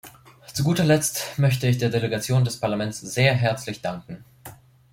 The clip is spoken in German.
Zu guter Letzt möchte ich der Delegation des Parlaments sehr herzlich danken.